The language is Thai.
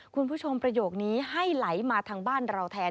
คุณผู้ชมประโยคนี้ให้ไหลมาทางบ้านเราแทน